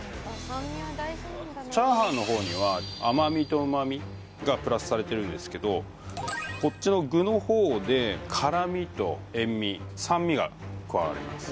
炒飯の方には甘味と旨味がプラスされてるんですけどこっちの具の方で辛みと塩味酸味が加わります